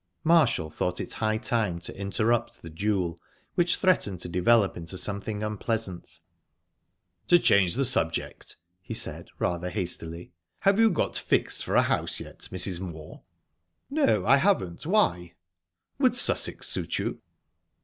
Marshall thought it high time to interrupt the duel, which threatened to develop into something unpleasant. "To change the subject," he said, rather hastily, "have you got fixed for a house yet, Mrs. Moor?" "No, I haven't. Why?" "Would Sussex suit you?"